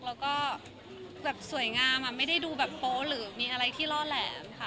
แล้วก็แบบสวยงามไม่ได้ดูแบบโป๊ะหรือมีอะไรที่ล่อแหลมค่ะ